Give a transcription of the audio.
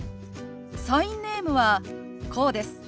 サインネームはこうです。